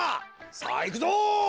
さあいくぞ！